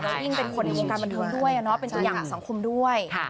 ยิ่งเป็นคนในวงการบันเทิงด้วยเป็นตัวอย่างของสังคมด้วย